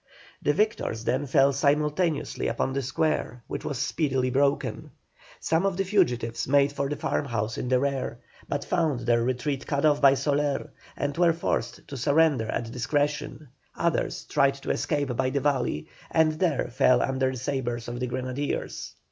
The victors then fell simultaneously upon the square, which was speedily broken. Some of the fugitives made for the farmhouse in their rear, but found their retreat cut off by Soler, and were forced to surrender at discretion; others tried to escape by the valley, and there fell under the sabres of the grenadiers.